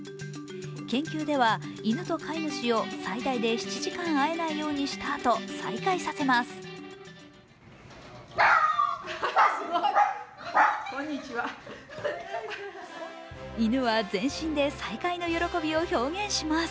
研究では犬と飼い主を最大で７時間会えないようにしたあと再会させます。